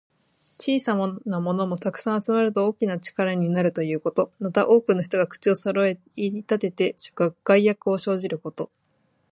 小さなものも、たくさん集まると大きな力になるということ。また、多くの人が口をそろえて言いたてて、害悪を生じること。